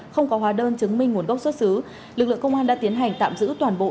không có hóa đơn chứng minh nguồn gốc xuất xứ lực lượng công an đã tiến hành tạm giữ toàn bộ